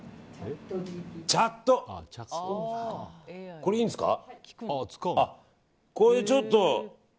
これ、いいんですか。